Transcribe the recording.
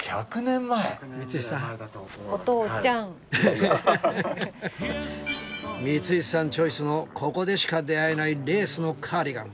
光石さんチョイスのここでしか出会えないレースのカーディガン。